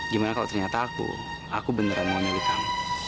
gimana kalau ternyata aku aku beneran mau nyari kamu